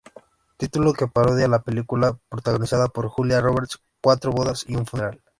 Título que parodia la película protagonizada por Julia Roberts, Cuatro bodas y un funeral.